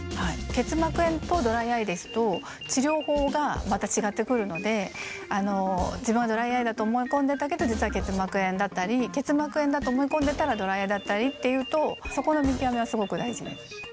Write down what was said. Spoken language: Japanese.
結膜炎とドライアイですと治療法がまたちがってくるので自分はドライアイだと思い込んでたけど実は結膜炎だったり結膜炎だと思い込んでたらドライアイだったりっていうとそこの見極めはすごく大事です。